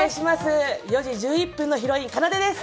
４時１１分のヒロインかなでです！